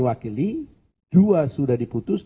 wakili dua sudah diputus